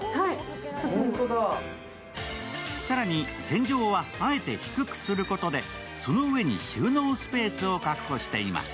更に天井はあえて低くすることで、その上に収納スペースを確保しています。